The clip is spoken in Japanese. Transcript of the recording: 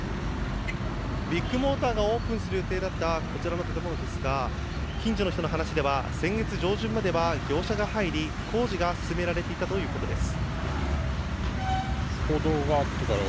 ビッグモーターがオープンする予定だったこちらの建物ですが近所の人の話では先月上旬までは業者が入り、工事が進められていたということです。